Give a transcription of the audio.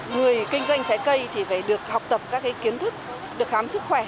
người kinh doanh trái cây thì phải được học tập các kiến thức được khám sức khỏe